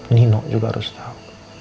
nino juga harus tau